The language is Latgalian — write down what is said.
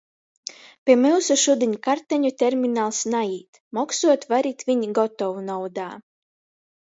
Pi myusu šudiņ karteņu terminals naīt, moksuot varit viņ gotovnaudā.